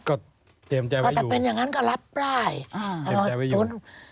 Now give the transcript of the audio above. ก็เตรียมใจไว้อยู่แต่เป็นอย่างงั้นก็รับได้เอ่อเตรียมใจไว้อยู่